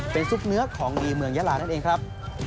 เป็นซุปเนื้อของดีเมืองยาลานั่นเองครับ